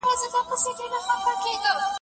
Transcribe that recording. سپین کمیس یې د ورېښمو شرشره و